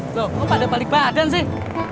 kok pada balik badan sih